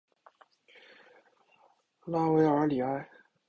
拉韦尔里埃。